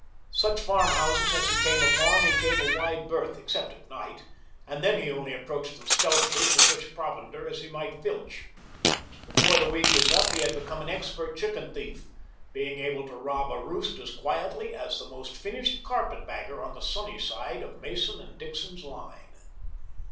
Such farmhouses as he came upon he gave a wide berth except at night, and then he only approached them stealthily for such provender as he might filch. Before the week was up he had become an expert chicken thief, being able to rob a roost as quietly as the most finished carpetbagger on the sunny side of Mason and Dixon's line.